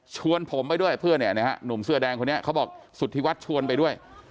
ชวนผมไปด้วยเพื่อนเนี่ยนะฮะหนุ่มเสื้อแดงคนนี้เขาบอกสุธิวัฒน์ชวนไปด้วย